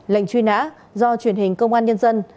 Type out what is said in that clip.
lệnh truy nã do truyền hình công an nhân dân